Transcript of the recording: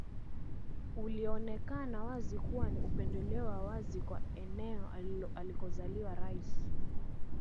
ulioonekana wazi kuwa ni upendeleo wa wazi kwa eneo alikozaliwa Rais